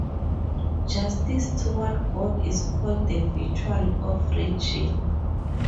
Justice toward God is called the virtue of religion.